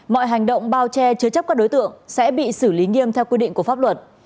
mọi hành động bao che chứa chấp các đối tượng sẽ bị xử lý nghiêm theo quy định của pháp luật